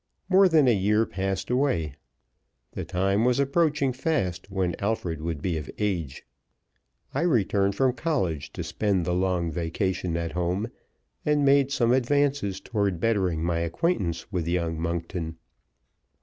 More than a year passed away. The time was approaching fast when Alfred would be of age. I returned from college to spend the long vacation at home, and made some advances toward bettering my acquaintance with young Monkton.